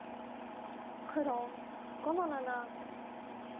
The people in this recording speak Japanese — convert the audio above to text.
黒５の七。